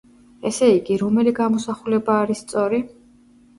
ესე იგი, რომელი გამოსახულება არის სწორი?